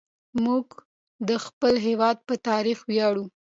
موږ د خپل هېواد په تاريخ وياړو.